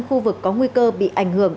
khu vực có nguy cơ bị ảnh hưởng